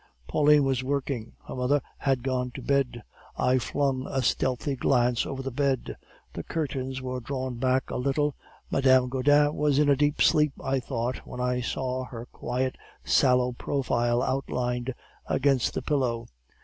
"Pauline was working; her mother had gone to bed. I flung a stealthy glance over the bed; the curtains were drawn back a little; Madame Gaudin was in a deep sleep, I thought, when I saw her quiet, sallow profile outlined against the pillow.